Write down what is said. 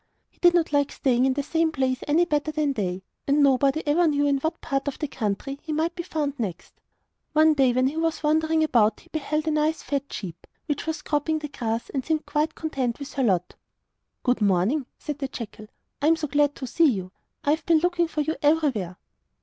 He did not like staying in the same place any better than they, and nobody ever knew in what part of the country he might be found next. One day, when we was wandering about he beheld a nice fat sheep, which was cropping the grass and seemed quite contented with her lot. 'Good morning,' said the jackal, 'I am so glad to see you. I have been looking for you everywhere.